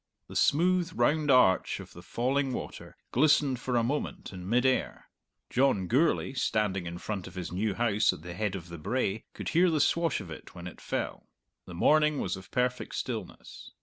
The smooth round arch of the falling water glistened for a moment in mid air. John Gourlay, standing in front of his new house at the head of the brae, could hear the swash of it when it fell. The morning was of perfect stillness.